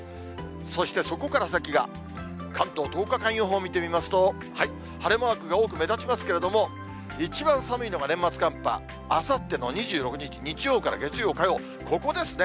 そしてそこから先が、関東１０日間予報見てみますと、晴れマークが多く目立ちますけれども、一番寒いのが年末寒波、あさっての２６日日曜から月曜、火曜、ここですね。